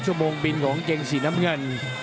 โมงบินของเกงสีน้ำเงิน